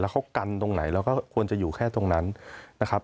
เขากันตรงไหนเราก็ควรจะอยู่แค่ตรงนั้นนะครับ